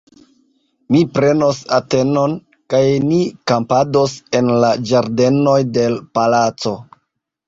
Ni prenos Atenon, kaj ni kampados en la ĝardenoj de l' Palaco!